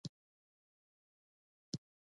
د اوبو شرنګي راویښ کړمه سپېدو کښي